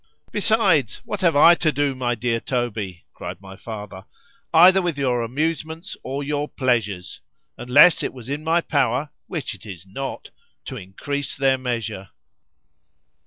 ——Besides, what have I to do, my dear Toby, cried my father, either with your amusements or your pleasures, unless it was in my power (which it is not) to increase their measure?